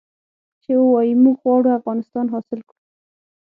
چې ووايي موږ غواړو افغانستان حاصل کړو.